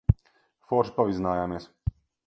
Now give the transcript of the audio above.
Forši pavizinājāmies.